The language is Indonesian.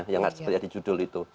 yang seperti di judul itu